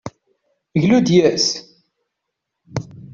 Glu-d yis-s!